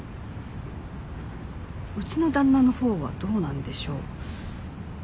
うちの旦那のほうはどうなんでしょう？